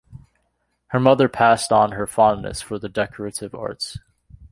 Her mother passed on her fondness for the decorative arts.